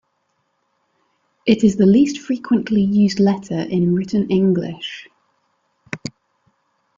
It is the least frequently used letter in written English.